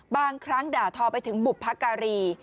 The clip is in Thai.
บางครั้งด่าทอไปถึงบุพการี